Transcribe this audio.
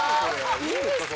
いいんですか？